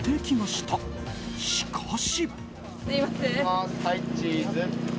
しかし。